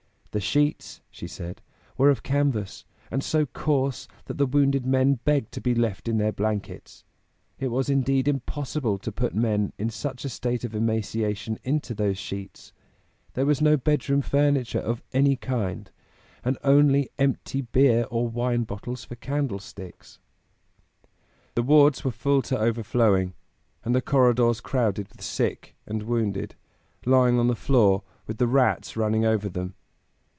"The sheets," she said, "were of canvas, and so coarse that the wounded men begged to be left in their blankets. It was indeed impossible to put men in such a state of emaciation into those sheets. There was no bedroom furniture of any kind, and only empty beer or wine bottles for candlesticks." The wards were full to overflowing, and the corridors crowded with sick and wounded, lying on the floor, with the rats running over them.